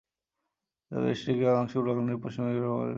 তবে দেশটির কিয়দংশ উরাল নদীর পশ্চিমে ইউরোপ মহাদেশে পড়েছে।